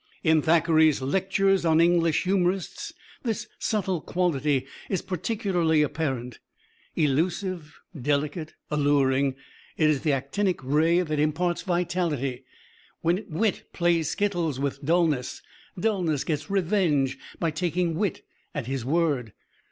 In Thackeray's "Lectures on English Humorists" this subtle quality is particularly apparent. Elusive, delicate, alluring it is the actinic ray that imparts vitality. When wit plays skittles with dulness, dulness gets revenge by taking wit at his word.